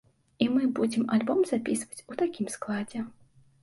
І мы будзем альбом запісваць у такім складзе.